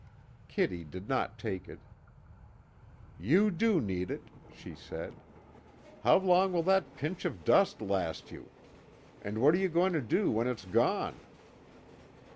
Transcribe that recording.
Kitty did not take it: "You do too need it," she said, "How long will that pinch of dust last you? And what are you going to do when it's gone?"